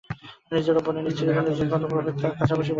নিজের বোনে এবং স্ত্রীর বোনে যে কত প্রভেদ তা এই কাঁচা বয়সেই বুঝে নিয়েছ।